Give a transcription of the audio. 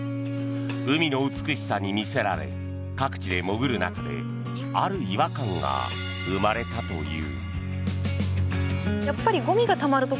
海の美しさに魅せられ各地で潜る中である違和感が生まれたという。